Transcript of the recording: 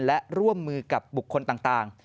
และร่วมมือกับบุคคลต่าง